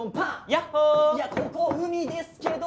いやここ海ですけど。